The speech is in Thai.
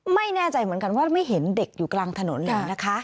ไม่แน่ใจเหมือนกันว่าไม่เห็นเด็กอยู่กลางถนนเลยนะคะ